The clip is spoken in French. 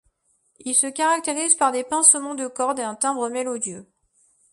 Il se caractérise par des pincements de cordes et un timbre mélodieux.